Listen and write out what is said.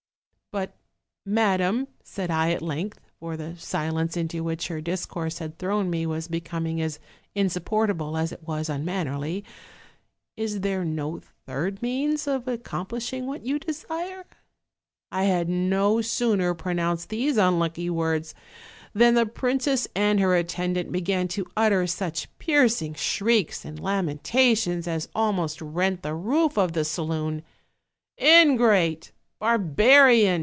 " 'But madam,' said I at length (for the silence intf which her discourse had thrown me was becoming as in supportable as it was unmannerly), 'is there no third means of accomplishing what you desire?' I had no sooner pronounced these unlucky words than the princess and her attendant began to utter such piercing shrieks and lamentations as almost rent the roof of the saloon. 'Ingrate! barbarian!